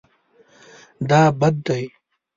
دا بد دی